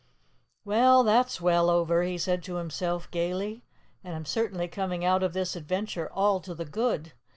"Well, that's well over," he said to himself gayly "And I'm certainly coming out of this adventure all to the good.